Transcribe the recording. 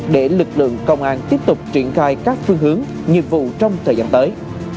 để lực lượng công an tiếp tục triển khai các phương hướng nhiệm vụ trong thời gian tới